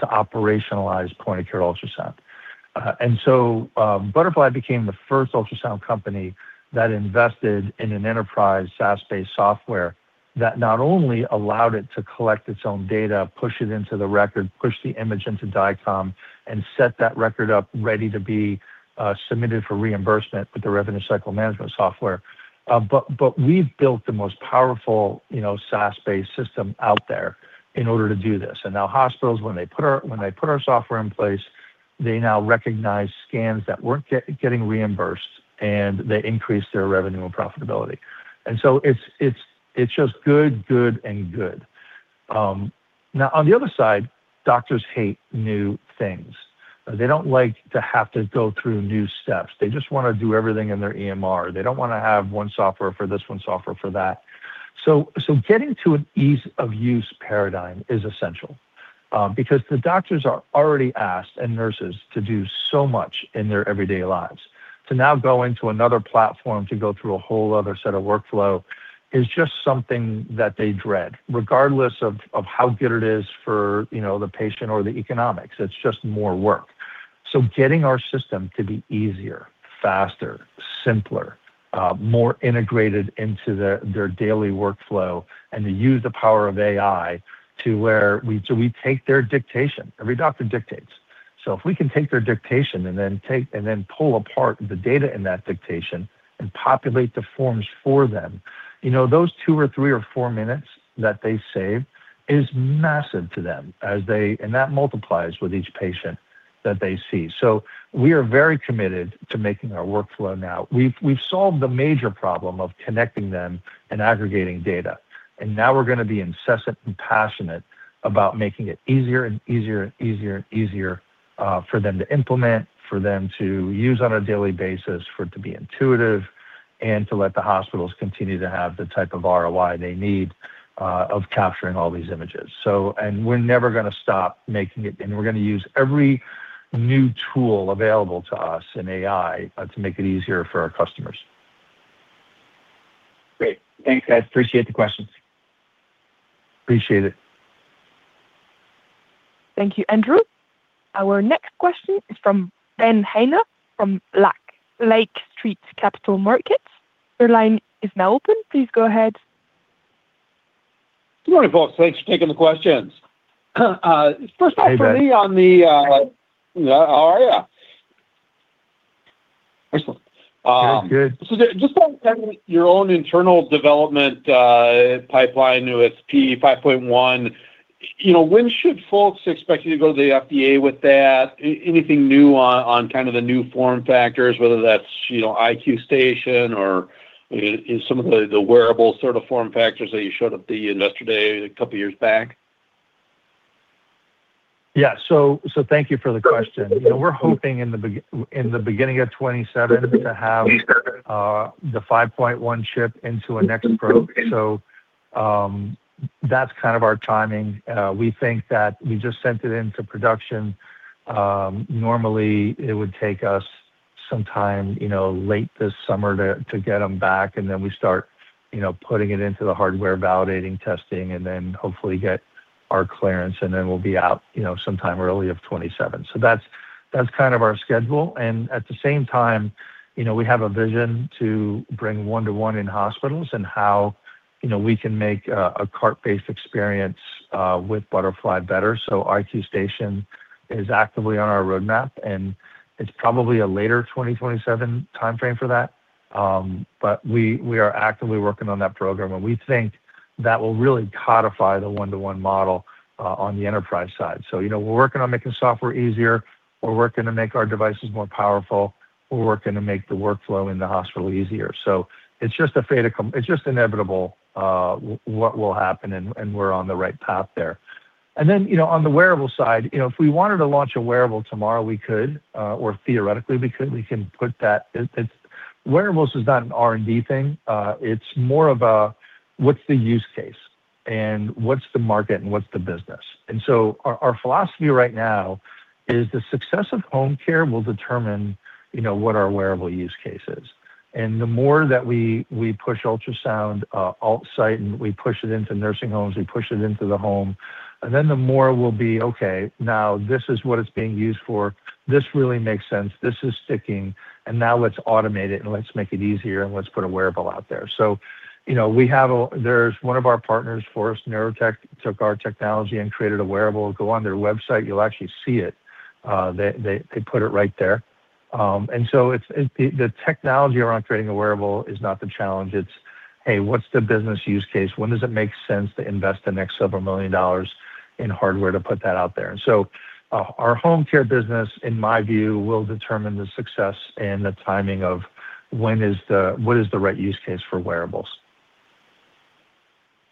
to operationalize Point-of-Care Ultrasound. Butterfly became the first ultrasound company that invested in an enterprise SaaS-based software that not only allowed it to collect its own data, push it into the record, push the image into DICOM, and set that record up ready to be submitted for reimbursement with the revenue cycle management software. We've built the most powerful, you know, SaaS-based system out there in order to do this. Now hospitals, when they put our software in place, they now recognize scans that weren't getting reimbursed, and they increase their revenue and profitability. It's, it's just good, and good. Now, on the other side, doctors hate new things. They don't like to have to go through new steps. They just want to do everything in their EMR. They don't want to have one software for this, one software for that. Getting to an ease-of-use paradigm is essential, because the doctors are already asked, and nurses, to do so much in their everyday lives. To now go into another platform to go through a whole other set of workflow is just something that they dread, regardless of how good it is for, you know, the patient or the economics, it's just more work. Getting our system to be easier, faster, simpler, more integrated into the, their daily workflow and to use the power of AI to where so we take their dictation. Every doctor dictates. If we can take their dictation and then pull apart the data in that dictation and populate the forms for them, you know, those 2 or 3 or 4 minutes that they save is massive to them as they and that multiplies with each patient that they see. We are very committed to making our workflow now. We've solved the major problem of connecting them and aggregating data. Now we're gonna be incessant and passionate about making it easier and easier and easier and easier for them to implement, for them to use on a daily basis, for it to be intuitive, and to let the hospitals continue to have the type of ROI they need of capturing all these images. We're never gonna stop making it, and we're gonna use every new tool available to us in AI to make it easier for our customers. Great. Thanks, guys. Appreciate the questions. Appreciate it. Thank you, Andrew. Our next question is from Ben Haynor from Lake Street Capital Markets. Your line is now open. Please go ahead. Good morning, folks. Thanks for taking the questions. Hey, Ben. For me on the, yeah, how are you? Excellent. Sounds good. Just on your own internal development, pipeline, new P5.1, you know, when should folks expect you to go to the FDA with that? Anything new on kind of the new form factors, whether that's, you know, iQ Station or, you know, in some of the wearable sort of form factors that you showed at the investor day 2 years back? Yeah. Thank you for the question. You know, we're hoping in the beginning of 2027 to have the P5.1 ship into a next program. That's kind of our timing. We think that we just sent it into production. Normally, it would take us some time, you know, late this summer to get them back, and then we start, you know, putting it into the hardware, validating, testing, and then hopefully get our clearance, and then we'll be out, you know, sometime early of 2027. That's kind of our schedule. At the same time, you know, we have a vision to bring one-to-one in hospitals and how, you know, we can make a cart-based experience with Butterfly better. iQ Station is actively on our roadmap, and it's probably a later 2027 timeframe for that. We are actively working on that program, and we think that will really codify the one-to-one model on the enterprise side. You know, we're working on making software easier, we're working to make our devices more powerful, we're working to make the workflow in the hospital easier. It's just a fate of it's just inevitable what will happen, and we're on the right path there. You know, on the wearable side, you know, if we wanted to launch a wearable tomorrow, we could, or theoretically, we could, we can put that... Wearables is not an R&D thing, it's more of a what's the use case and what's the market and what's the business? Our philosophy right now is the success of home care will determine, you know, what our wearable use case is. The more that we push ultrasound, alt site, and we push it into nursing homes, we push it into the home, and then the more we'll be, "Okay, now this is what it's being used for. This really makes sense. This is sticking, and now let's automate it, and let's make it easier, and let's put a wearable out there." You know, we have there's one of our partners, Forest Neurotech, took our technology and created a wearable. Go on their website, you'll actually see it. They put it right there. It's the technology around creating a wearable is not the challenge, it's, hey, what's the business use case? When does it make sense to invest the next several million dollars in hardware to put that out there? Our home care business, in my view, will determine the success and the timing of what is the right use case for wearables.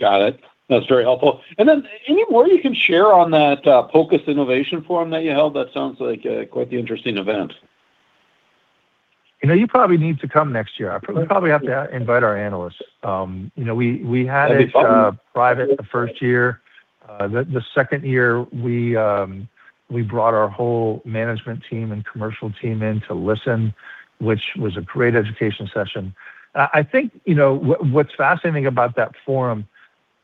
Got it. That's very helpful. Any more you can share on that POCUS Innovators Forum that you held? That sounds like, quite the interesting event. You know, you probably need to come next year. I probably have to invite our analysts. You know, we. No problem. private the first year. The second year, we brought our whole management team and commercial team in to listen, which was a great education session. I think, you know, what's fascinating about that forum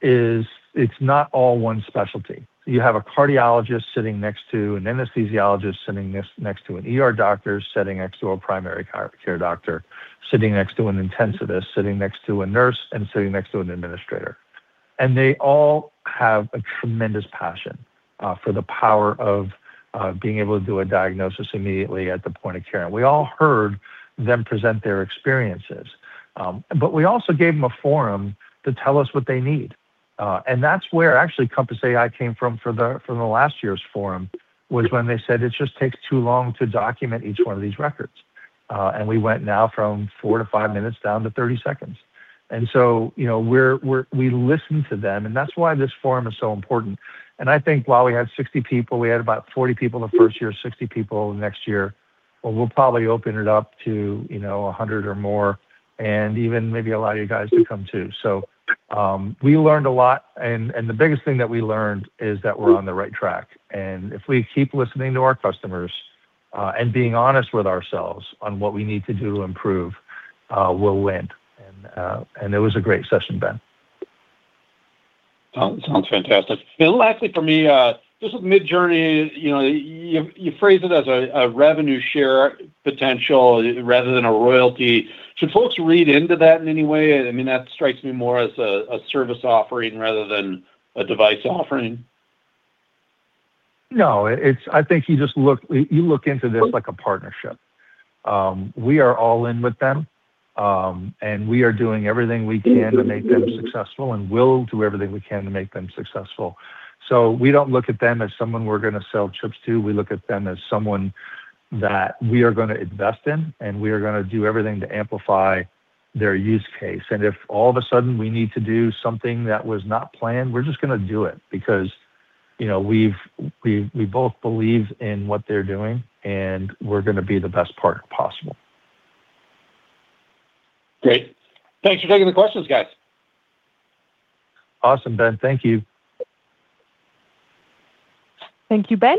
is it's not all one specialty. You have a cardiologist sitting next to an anesthesiologist, sitting next to an ER doctor, sitting next to a primary care doctor, sitting next to an intensivist, sitting next to a nurse, and sitting next to an administrator. They all have a tremendous passion for the power of being able to do a diagnosis immediately at the point of care. We all heard them present their experiences, but we also gave them a forum to tell us what they need. That's where actually Compass AI came from for the, from the last year's forum, was when they said: "It just takes too long to document each one of these records." We went now from four to five minutes down to 30 seconds. You know, we listened to them, and that's why this forum is so important. I think while we had 60 people, we had about 40 people the first year, 60 people the next year, but we'll probably open it up to, you know, 100 or more, and even maybe allow you guys to come, too. We learned a lot, and the biggest thing that we learned is that we're on the right track. If we keep listening to our customers, and being honest with ourselves on what we need to do to improve, we'll win. It was a great session, Ben. Sounds fantastic. Lastly, for me, just with Midjourney, you know, you phrase it as a revenue share potential rather than a royalty. Should folks read into that in any way? I mean, that strikes me more as a service offering rather than a device offering. No, I think you just look into this like a partnership. We are all in with them, and we are doing everything we can to make them successful, and we'll do everything we can to make them successful. We don't look at them as someone we're gonna sell chips to. We look at them as someone that we are gonna invest in, and we are gonna do everything to amplify their use case. If all of a sudden we need to do something that was not planned, we're just gonna do it because, you know, we both believe in what they're doing, and we're gonna be the best partner possible. Great. Thanks for taking the questions, guys. Awesome, Ben. Thank you. Thank you, Ben.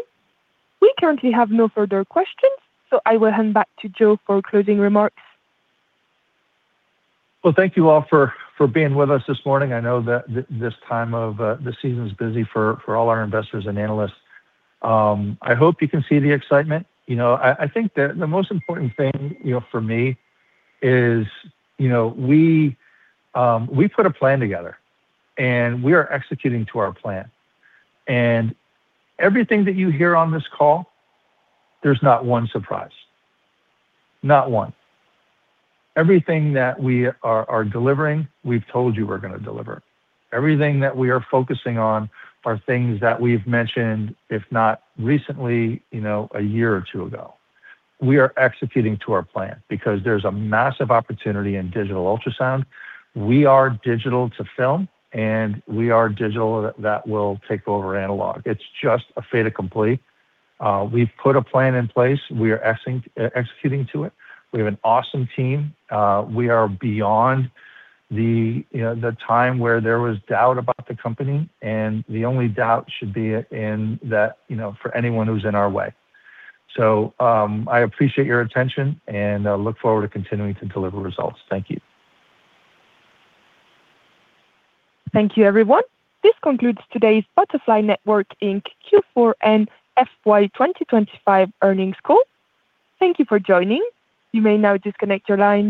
We currently have no further questions, so I will hand back to Joe for closing remarks. Well, thank you all for being with us this morning. I know that this time of the season's busy for all our investors and analysts. I hope you can see the excitement. You know, I think the most important thing, you know, for me is, you know, we put a plan together, and we are executing to our plan. Everything that you hear on this call, there's not one surprise. Not one. Everything that we are delivering, we've told you we're gonna deliver. Everything that we are focusing on are things that we've mentioned, if not recently, you know, a year or two ago. We are executing to our plan because there's a massive opportunity in digital ultrasound. We are digital to film, and we are digital that will take over analog. It's just a fait accompli. We've put a plan in place. We are executing to it. We have an awesome team. We are beyond the time where there was doubt about the company, and the only doubt should be in that, you know, for anyone who's in our way. I appreciate your attention, and I look forward to continuing to deliver results. Thank you. Thank you, everyone. This concludes today's Butterfly Network Inc. Q4 and FY 2025 earnings call. Thank you for joining. You may now disconnect your line.